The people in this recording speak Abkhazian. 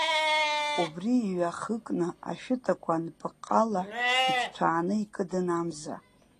Убри иҩахыкны, ашәытақәа анпыҟҟала, иҭҭәааны икыдын амза.